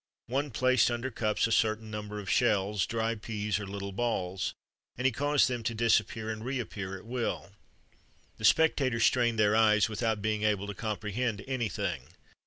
One placed under cups a certain number of shells, dry peas, or little balls, and he caused them to disappear and re appear at will.[XXXV 87] The spectators strained their eyes without being able to comprehend anything.